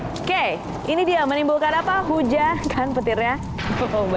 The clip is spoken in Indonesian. okay ini dia menimbulkan apa hujan kan petirnya